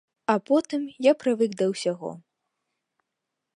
А потым я прывык да ўсяго.